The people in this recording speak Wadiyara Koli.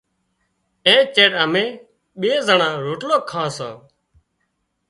اين چيڙ امين ٻي زنڻان روٽلو کان سان۔